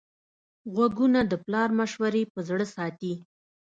غوږونه د پلار مشورې په زړه ساتي